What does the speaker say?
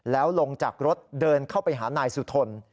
แล้วลงจากรถเดินเข้าไปหานายสุทน